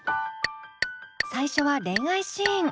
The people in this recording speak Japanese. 最初は恋愛シーン。